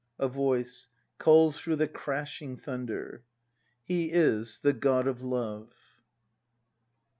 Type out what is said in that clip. A Voice. [Calls through the crashing thunder.] He is the God of Love.